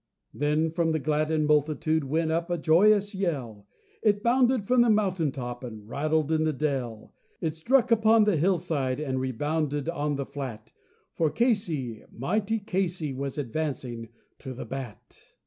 Then, from the gladdened multitude went up a joyous yell, It rumbled in the mountain tops, it rattled in the dell; It struck upon the hillside and rebounded on the flat; For Casey, mighty Casey, was advancing to the bat.